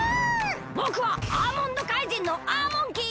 ぼくはアーモンドかいじんのアーモンキー！